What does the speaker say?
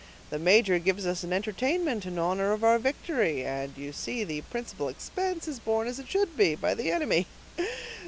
"The major gives us an entertainment in honor of our victory, and you see the principal expense is borne as it should be, by the enemy.